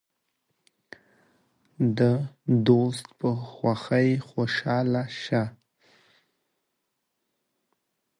د دوست په خوښۍ خوشحاله شئ.